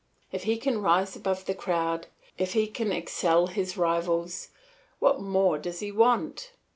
If he can rise above the crowd, if he can excel his rivals, what more does he want?